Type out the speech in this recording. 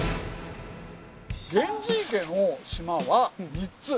源氏池の島は３つ。